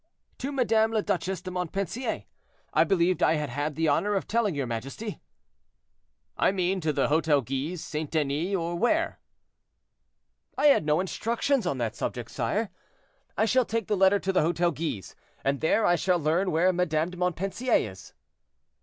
"To Madame la Duchesse de Montpensier, I believed I had had the honor of telling your majesty." "I mean, to the Hotel Guise, St. Denis, or where?" "I had no instructions on that subject, sire. I shall take the letter to the Hotel Guise, and there I shall learn where Madame de Montpensier is."